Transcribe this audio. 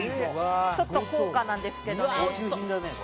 ちょっと高価なんですけどね。